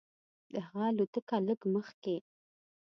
د هغه الوتکه لږ مخکې.